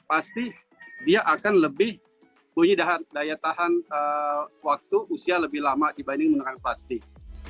pasti dia akan lebih punya daya tahan waktu usia lebih lama dibanding menggunakan plastik